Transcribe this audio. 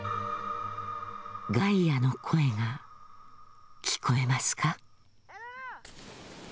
ガイアの声が、聞こえますか。